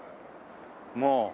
もう。